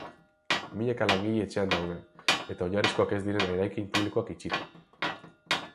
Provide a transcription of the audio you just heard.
Milaka langile etxean daude, eta oinarrizkoak ez diren eraikin publikoak itxita.